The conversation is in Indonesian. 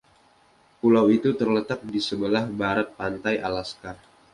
Pulau itu terletak di sebelah barat pantai Alaska.